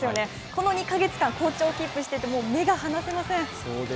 この２か月間好調をキープしていて目が離せません。